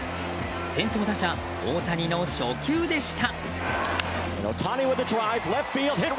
先頭打者・大谷の初球でした。